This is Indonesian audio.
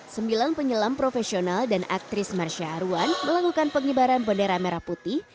sembilan penyelam profesional dan aktris marsha arwan melakukan pengibaran bendera merah putih